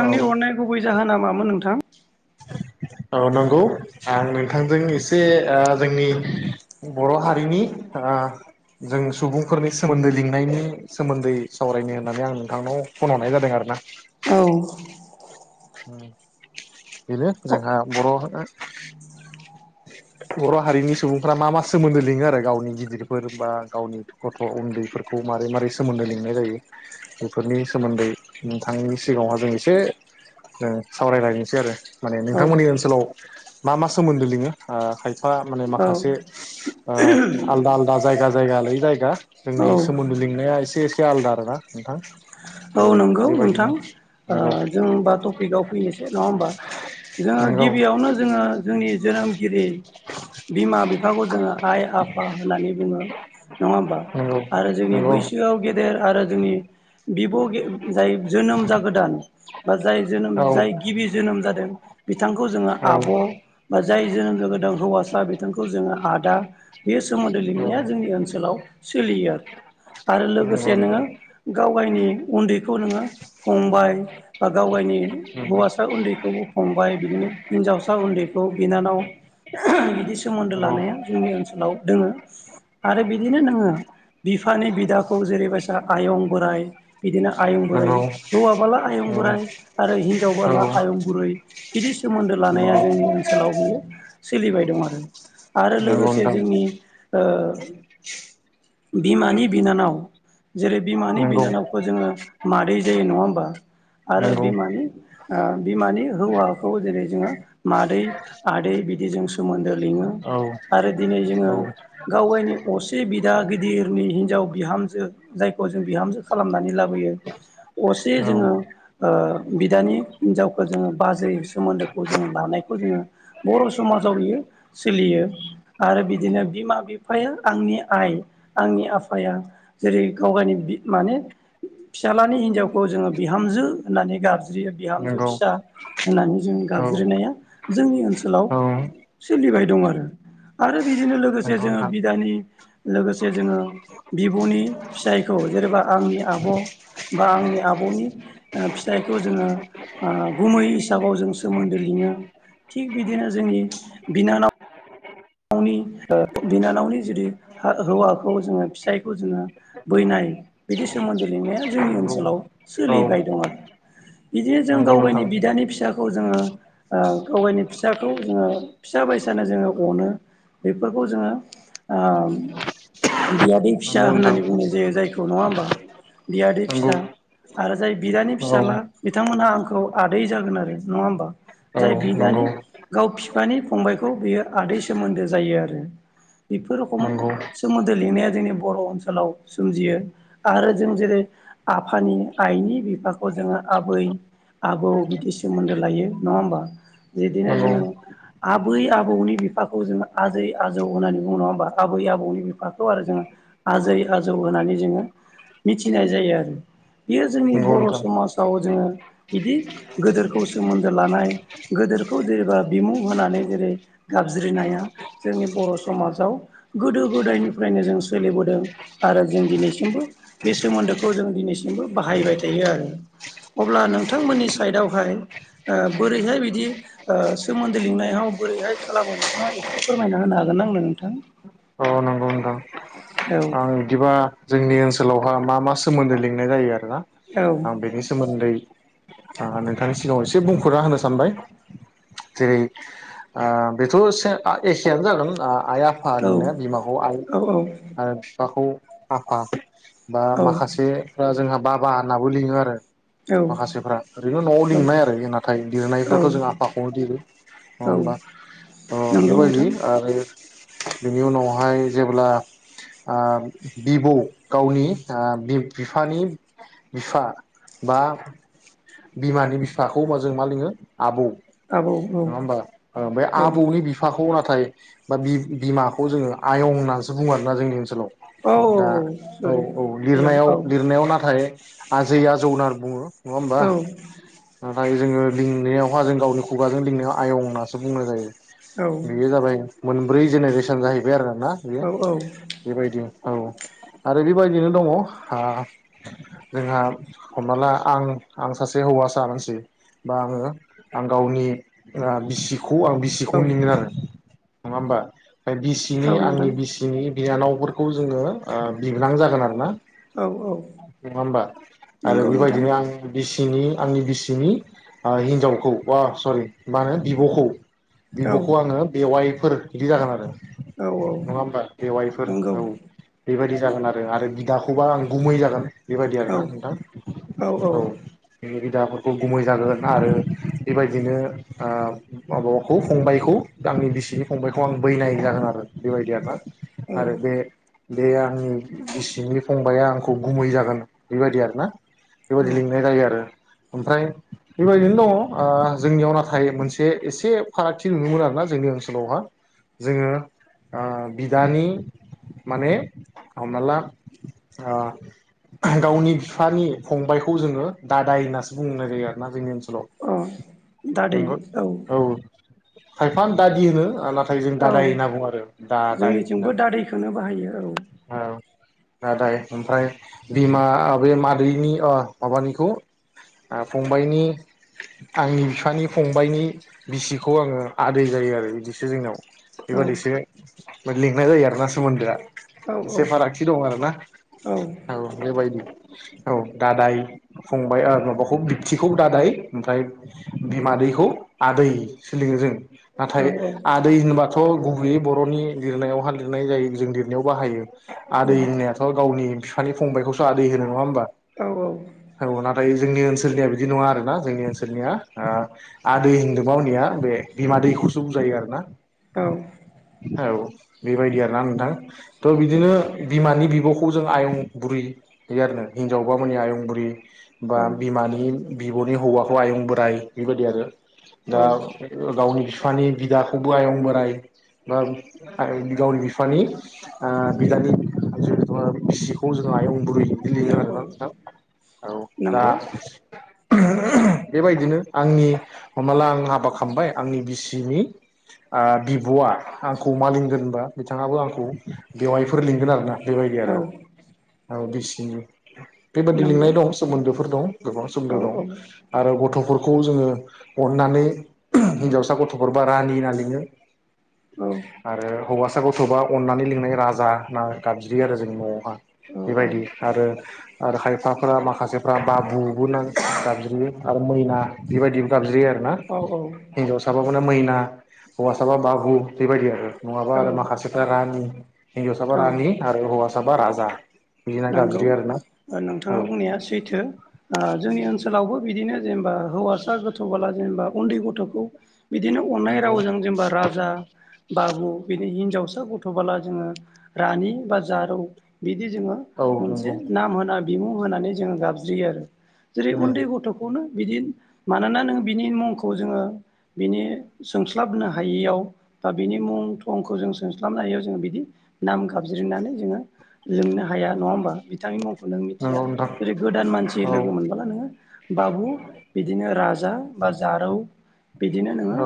औ अननाया गुबै जाहोना मामोन नोंथां [inaudible] औ नंगौ आं नोंथांजों एसे जोंनि बर' हारिनि आ जों सुबुंफोरनि सोमोन्दै लिंनायनि सोमोन्दै सावरायनो होननानै आं नोंथांनाव फन हरनाय जादों आरोना औ बेनो औ जोंहा बर' बर' हारिनि सुबुंफ्रा मा मा सोमोन्दो लिंङो आरो गावनि गिदिरफोर बा गावनि गथ' उन्दैफोरखौ मै मारै सोमोन्द लिंनाय जायो बेफोरनि सोमोन्दै नोंथांनि सिगांङावहा जों एसे सावरायलायनोसै आरो माने नोंथांमोननि औ ओनसोलाव मा मा सोमोन्दो लिंङोाय फा माने माखासे आलदा - आलदा जायगा जायगा लायै जायगा औ जोंनि सोमोन्दो लिंनाया एसे एसे आलादा आरोना नोंथां औ थ' नंगौ बेबायदिनो नोंथां नंगौ जोंबाथ' आव फैनोसै नंङा होमबा जोंङो नंगौ गिबियावनो जोंङो जोंनि जोनोमगिरि बिमा बिफाखौ जोंङो आइ आफा होननानै बुंङो आरो नंगौ जोंनि बैसोआव गेदेर आरो जोंनि बिब' जाय जोनोम जागोदान बा जाय जोनोम औ जाय गिबि जोनोम जादों बिथांखौ जोंङो आब' बा जाय जोनोम हौवासा खौ जोंङो आदा बे सोमोन्दो औ लिंनाया जोंनि ओनसोलाव सोलियो। आरो लोगोसे नोंङो गाव गायनि उन्दैखौ नोङो फंबाय बा गाव गावनि हौवासा उन्दैखौबो फंबाय बिदिनो हिन्जावसा उन्दैखौ बिनानाव बिदि सोमोन्दो लानाया जोंनि ओनसोलाव दोंङों। आरो बिदिनो नोङो बिफानि बिदाखौ जेरैबायसा आयं बोराइ। बिदिनो आयं बुरै हौवाबला आयं बोराइ आरो हिनजाव बाला आयं बुरै। बिदि सोमोन्दो लानाया जोंनि ओनसोलाव बियो सोलिबाय दं आरो। आरो नंगौ लोगोसे नंगौ जोंनि ओ बिमानि बिनानाव जेरै बिमानि नंगौ बिनानाव ओ मादै जायो नङा होमबा आरो नंगौ बिमानि ओ बिमानि हौवा खौ जेरै जोङो मादै आदै बिदिजों सोमोन्दो लिङो औ आरो दिनै जोङो औ नंगौ गाव गावनि असे बिदा गिदिरनि हिनजाव बिहामजो जायखौ जों बिहामजो खालामनानै लाबोयो असे नंगौ नोंथां नंगौ औ जोङो ओ बिदानि हिनजावखौ जोङो बाजै सोमोन्दोखौ जों लानाय। खौ जोङो बर' समाजाव बियो सोलियो आरो बिदिनो बिमा-बिफाया। आंनि आइ आंनि आफाया जेरै गाव गावनि बि माने फिसाज्लानि हिनजावखौ जोङो बिहामजो होननानै गाबज्रियो बिहामजो नंगौ फिसा। होननानै जों औ गाबज्रिनाया जोंनि ओनसोलाव औ सोलिबाय दं आरो आरो बिदिनो लोगोसे नंगौ जोङो नोंथां बिदानि लोगोसे जोङो बिब'नि फिसायखौ जेनेबा आंनि आब' बा आंनि आब'नि फिसाइखौ जोङो गुमै हिसाबाव जों सोमोन्दो लि ङो थिग बिदिनो जोंनि बिनानाव नावनि ओ बिनानावनि जुदि हौवाखौ जोङो फिसायखौ जोङो बैनाय। बिदि सोमोन्दै लिंनाया जोंनि नंगौ ओनसोलाव औ सोलिबाय दं आरो बिदिनो जों नंगौ गाव गावनि नोंथां बिदानि फिसाखौ जोङो ओ गाव गावनि फिसाखौ जोङो फिसा। फसा बायसानो जोङो अनो बेफोरखौ जोङो ओ। बियादै फिसा नंगौ नोंथां होननानै बुंनाय जायो जायखौ नङा होमबा बियादै नंगौ फिसा आरो जाय बिदानि फिसाला औ बिथांमोनहा आंखौ आदै जागोन आरो नङा होमबा औ जाय नंगौ बिदानि गाव बिफानि फंबायखौ बियो आदै सोमोन्दो जायो आरो बेफोर रखम नंगौ सोमोन्दो लिंनाया जोंनि बर' ओनसोलाव सोमजियो आरो जों जेरै आफानि आइनि बिफाखौ जोङो आबै आबौ बिदि सोमोन्दो लायो नङा होमबा। बिदिनो नंगौ जोङो आबै-आबौनि बिफा। खौ जोङो आजै आजौ होन्नानै बुङो नङा होमबा आबै आबौनि बिफाखौ आरो जोङो आजै आजौ होन होननानै जोङो मिथिनाय जायो आरो। बियो जोंनि नंगौ बर' नोंथां समाजाव जोङो बिदि गोदोरखौ सोमोन्दो लानाय गो दोरखौ जेरेबा बिमुं होनानै जेरै गाबज्रिनाया जोंनि बर' समाजाव गोदो गोदायनिफ्रायनो जों सोलिबोदों आ रो जों दिनैसिमबो बे सोमोन्दोखौ जों दिनैसिमबो बाहायबाय थायो आरो। अब्ला नोंथांमोननि साइदआवहाय ओ बोरैहाय बिदि ओ सोमोन्दो लिंनायाव बोरैहाय खालामो नोंथाङा एसे फोरमायना होनो हागोन आंनो नोंथां औ नंगौ नोंथां औ। आं बिदिबा जोंनि ओनसोलावहा मा मा सोमोन्दो लिंनाय जायो आरो। ना औ आं बेनि सोमोन्दै। आ नोंथांनि सिगाङाव एसे बुंफोरना होनो सानबाय। जेरै ओ बेथ' से एखेयानो जागोन। आइ-आफा औ लिंनो बिमाखौ आइ आरो बिफाखौ आफा। बा माखासेफ्रा जोंहा बाबा होननाबो लिङो आरो। औ माखासेफ्रा ओरैनो न'आव लिंनाय आरो नाथाय औ लिरनायफ्रावथ' औ जों आफाखौनो लिरो। नङा औ होनबा ओ नंगौ बेबायदि नोंथां आरो बेनि उनावहाय जेब्ला आ बिबौ गावनि आ बि बिफानि बिफा बा बिमानि बिफाखौ अब्ला जों मा लिङो आबौ आबौ औ नङा होमबा ओ बे औ आबौनि बिफाखौ ना थाय बा बिमाखौ जोङो आयं होननानैसो बुङो आरोना जोंनि ओनसोलाव औ औ दा औ सरि औ बेयाव औ लिरनायाव लिरनायाव नाथाय आजै आजौ होनना बुङो नङा होमबा औ नाथाय जोङो लिंनायावहा जों गावनि खुगाजों लिंनायाव आयं होननासो बुंनाय जायो औ बेयो जाबाय मोनब्रै जेनेरेसन जाहैबाय आरोना औ बेयो औ आरो बेबायदिनो दङ ओ जोंहा हमना ला आं आं सासे हौवासा मानसिबा बा आङो आं गावनि ओ बिसि खौ आं औ बिसिखौनो लिंडो आरो नङा होमबा औ बिसिनि आंनि नोंथां बिसिनि बिनानावफोरखौ जोङो ओ बिबोनां जागोन आरो ना औ औ नङा होमबा आरो नंगौ नोंथां बेबायदिनो आं बिसि नि आंनि बिसिनि हिनजावखौ सरि मा होनो बिब'खौ औ बिब'खौ आङो बेवाइफोर बिदि जागोन आरो औ औ नङा होमबा बेवाइफोर नंगौ औ बे बायदि जागोन आरो आरो बिदाखौबा आं गुमै जागोन बेबायदि औ आरोना नोंथां औ बिदाफोर खौ गुमै जागोन आरो बेबायदिनो ओ माबाखौ फंबायखौ आंनि बिसिनि फंबबायखौ आं बैनाय जागोन आरो बेबायदिय ना औ औ आरो बे बे आंनि बिसिनि फंबाया आंखौ गुमै जागोन बेबायदि आरो ना अ बेबायाददि लिंनाय जायो आरो ओमफ्राय बेबायदिनो दङ ओ जोंनियाव नाथाय मोनसे एसे फारागथि नुयो आरोना जोंनि ओनसोलावहा जोङो ओ बिदानि माने हमना ला ओ गावनि बिफानि फंबायखौ जोङो दादाय होननासो बुंनाय जायो आरोना जोंनि ओनसोल हेल' नंगौ औ खायफा दादि होनो नाथाय जों औ दादाय होनना बुंङो आरो दा जोंनिथिंबो दायदि दादैखौनो बाहायो औ नाथाय ओमफ्राय बिमा बे मादैनि ओ माबानिखौ ओ फंबायनि आंनि बिफानि फंबाइनि बिसिखौ आङो आदै जायो आरो बिदिसो जोंनाव बेबादिसो लिंनाय जायो आरोना सोमोन्दोआ औ एसे फारागथि दं आरो ना औ बेबायदि औ दादाय फंबाय माबाखौ बिबथिखौ दादाय ओमफ्राय बिमादैखौ आदै सो लिङो जों औ नाथाय आदै होनबाथ' गुबैयै बर'नि लिरनायाव हाय लिरनाय जायो जों लिरनायाव बाहायो औ आदै होनायाथ' गावनि बिफानि फंबायाइखौसो आदै होनो नङा होमबा औ औ औ जोंनि ओनसोलनिया बिदि नङा आरोना जोंनि ओनसोलनिया ओ आदै हिन्दु गावनि बि आदैखौसो बुंजायो आरो ना औ बेबायदि आरोना नोंथां थ बिदिनो बिमानि बिब'खौ जों आयं बुरै आरोनो हिनजावबा माने आयं बुरि बा बिमानि बिब'नि हौवाखौ आयं बोराइ बेबायदि आरो औ दा गावनि बिफानि बिदाखौबो आयं बोराइ बा गावनि बिफानि ओ बिदानि बिसिखौ जों आयं बोरि बिदि औ आरो दा नंगौ बेबायदिनो आंनि हमला आं हाबा खालामबाय आंनि बिसिनि बिब'आ आंखौ मा लिंगोन बा बिथाङाबो आंखौ बेवायफोर लिंगोन आरोना बेबायदि औ आरो औ बिसिनि बेबायादि नंगौ लिंनाय दं सोमोन्दोफोर दं गोबां सोमोन्दो औ दं औ आरो गथ' खौ जोङो अन्नानै हिन्जावसा गथ'फोरबा रानि होनना लिङो औ आरो हौवासाखौ थोबा अननानै लिंनाय राजा होना गाबज्रि आरो जोंनि न'आवहा औ बेबायदि आरो आरो खायफाफोरा माखासेफ्रा बाबुबो गाबज्रियो आरो मैना बेबायदिबो गाबज्रियो आरो आरो ना औ हिनजाव साबा माने मैना हौवा साबा बाबु बेबायदि आरो नङाबा औ आरो माखासेफ्रा रानि हिनजावसाबा औ औ रानि आरो हौवासाबा राजा बिदिना नंगौ गाबज्रियो आरोना औ नोंथाङा बुंनाया सैथो जोंनि ओनसोलावबो बिदिनो जेनेबा हौवासा गोथ'बोला जेनेबा उन्दै गथ'खौ बिदिनो अननाय नंगौ रावजों जेनेबा राजा बाबु बिदि हि हिन्जावसा गथ'बोला जोङो रानि बा जारौ बिदि जोङो औ मोनसे नंगौ नाम होना बिमुं होनानै जोङो गाबज्रियो आरो जेरै उम उन्दै गथ'खौनो बिदि मानोना नों बिनि मुंखौ जोङो बिनि सोंस्लाबनो हायियाव बा बिनि मुं थंखौ जों सोंस्लाबनो हायैयाव जोङो बिदि नाम गाबज्रिनानै जोङो लोंनो हायो नङा होमबा बिथांनि मुंखौ नों मिथिया नंगौ नोंथां जेरै गोदान मानसि औ लोगो मोनबोला नोङो बाबु बिदिनो राजा बा जारौ बिदिनो नोङो औ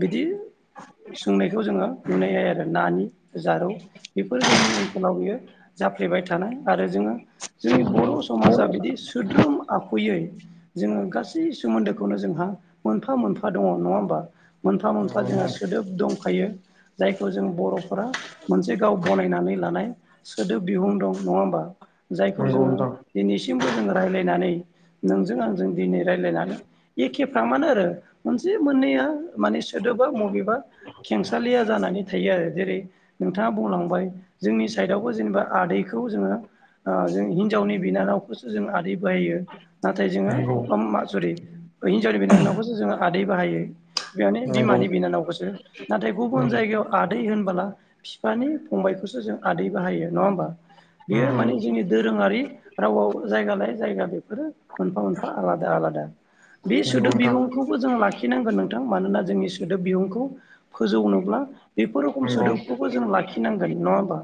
बिदि सोंनायखौ जोङो नुनाय जायो आरो नानि जारौ बेफोर जोंनि ओनसोलाव बियो जाफ्लेबाय थानाय आरो जोङो जोंनि बर' नंगौ समाजा बिदि सोद्रोम आखुयै जोङो गासै सोमोन्दोखौनो जोंहा मोनफा मोनफा दङ नङा होमबा मोनफा मोनफा जोंहा सोदोब दंखायो जायखौ जों बर'फोरा मोनसे गाव बनायनानै लानाय सोदोब बिहुं दं नङा होमबा जायखौ नंगौ नोंथां नंगौ उम नंगौ जोङो नोंथां दिनैसिमबो जोङो रायज्लायनानै नोंजों आंजों दिनै रायज्लायनानै एखे फ्रामानो आरो मोनसे मोननैया माने सोदोबा मबेबा खेंसालिया जानानै थायो आरो जेरै नोंथाङा बुंलांबाय जोंनि साइडआव जबा आदैखौ जों हिनजावनि बिनानावखौ जों ज आ बाहायो नाथाय नंगौ जोङो सरि हिनजाव बिननावखौ आदै बाहायो बेनो बिमानि बिनानावखौसो नाथाय गुबुन जायगायाव आदै होनबोला बिफानि फंबायखौसो जों आदै नङा होनबा बियो माने जोंनि दोरोङारि रावाव जायगा लायै जायगा बे मोनफा मोनफा आलादा आलादा बे सोदोब बिहुंखौबो जों लाखिनांगोन नोंथां मानोना जोंनि सोदोब बिबुंखौ फोजौनोब्ला बेफोर रोखोम सोदोबखौबो जों लाखिनांगोन नङा होमबा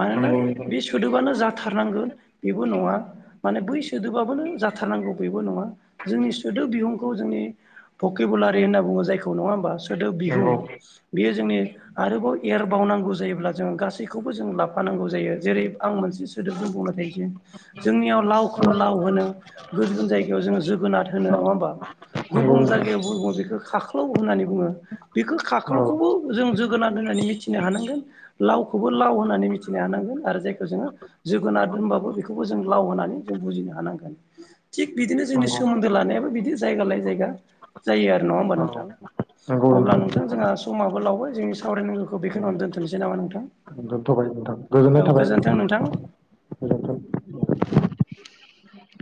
मानोना नंगौ बे नोंथां सोदोबानो जाथारनांगोन बेबो नङा माने बै सोदोबाबानो जाथारनांगोन बेबो नङा जोंनि सोदोब बिहुंखौ जों जोंनि भकिबुलारि होनना बुङो जायखौ नङा होमबा सोदोब बिहुं बेयो जोंनि आरोबाव एरबावनांगौ जायोब्ला जों गासैखौबो जों लाफानांगौ जायो जेरै आं मोनसे सोदोबजों बुंबाय थायोसै जोंनियाव लावखौ लाव होनो गुबुन जायगायाव जोङो ज गोनार होनो नङा होमा नंगौ नंगौ गुबुन नोंथां जायगायाव ब बेखौ खाख्लौ होननानै बुङो बेखौ औ खाख्लावखौबो जों जोगोनार होननानै मिथिनो हानांगोन ल खौबो लाव होननानै मिथि नो हांगोन आरो जायखौ जोङो जोगोनार दोनबाबो बेखौबो जों लाव होनानै जों बुजिनो हानांगोन थिग बिदिनो जोंनि नंगौ सोमोन्दो लानायाबो बिदि जायगा लाय जायगा जायो आरो नङा होमबा औ नोंथां अब्ला नोंथां जोंहा समाबो लावबाय जोंनि सावरायनांगौखौ बेखौनो दोनथोंनोसै नामा नोंथां दोनथबाय नोंथां गोजोननाय औ थाबाय गोजोन्थों नोंथां गोजोन्थों। [inaudible]